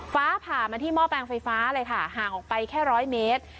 ฟ้าผ่ามาที่หม้อแปลงไฟฟ้าเลยค่ะห่างออกไปแค่ร้อยเมตร